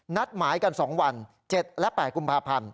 นัดหมายกัน๒วัน๗๘กรุงประพันธ์